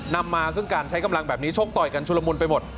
นำมาซึ่งการใช้กำลังแบบนี้โชคต่อยกันชุลมุนไปหมด